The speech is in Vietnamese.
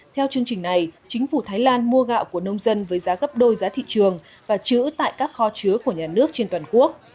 theo chương trình này chính phủ thái lan mua gạo của nông dân với giá gấp đôi giá thị trường và chữ tại các kho chứa của nhà nước trên toàn quốc